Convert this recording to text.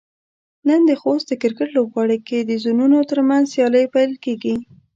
نن د خوست د کرکټ لوبغالي کې د زونونو ترمنځ سيالۍ پيل کيږي.